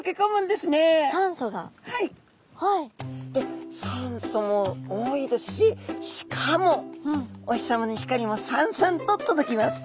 で酸素も多いですししかもお日様の光もさんさんと届きます。